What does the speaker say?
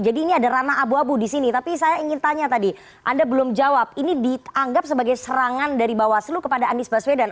jadi ini ada rana abu abu di sini tapi saya ingin tanya tadi anda belum jawab ini dianggap sebagai serangan dari bawaslu kepada andis baswedan